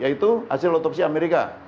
yaitu hasil otopsi amerika